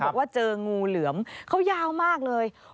บอกว่าเจองูเหลือมเขายาวมากเลย